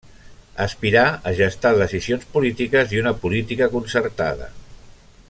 Aspirar a gestar decisions polítiques i una política concertada.